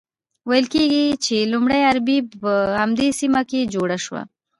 ویل کیږي چې لومړۍ اربۍ په همدې سیمه کې جوړه شوه.